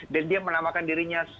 dan dia menamakan dirinya